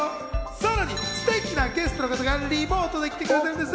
さらにすてきなゲストの方がリモートで来てくれてるんです。